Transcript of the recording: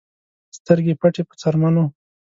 سترګې پټې په څرمنو